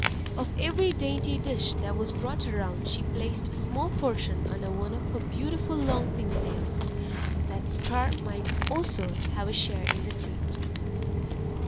Of every dainty dish that was brought round, she placed a small portion under one of her beautiful long finger nails, that Star might also have a share in the treat.